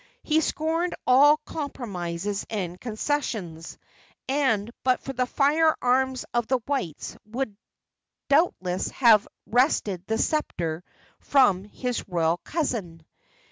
He scorned all compromises and concessions, and but for the firearms of the whites would doubtless have wrested the sceptre from his royal cousin.